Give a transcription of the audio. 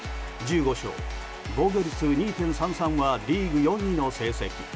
１５勝、防御率２．３３はリーグ４位の成績。